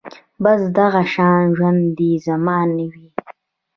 بس دغه شان ژوند دې زما نه وي